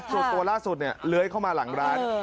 แต่สัตว์ล่าสุดเนี่ยเล้วเข้ามาหลังร้าน